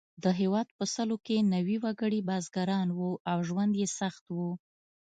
د هېواد په سلو کې نوي وګړي بزګران وو او ژوند یې سخت و.